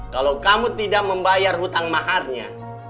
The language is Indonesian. kalau kamu tidak membayar hutang maharnya